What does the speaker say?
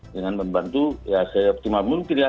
dengan membantu ya seoptimal mungkin ya